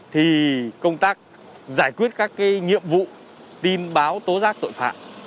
thì công tác giải quyết các cái nhiệm vụ tin báo tố giác tội phạm